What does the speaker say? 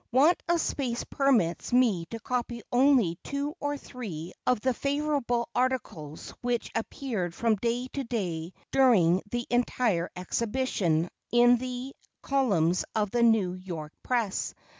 Want of space permits me to copy only two or three of the favorable articles which appeared from day to day during the entire exhibition in the columns of the New York press.